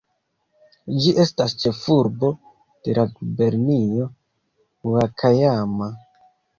Ĝi estas ĉefurbo de la gubernio Ŭakajama.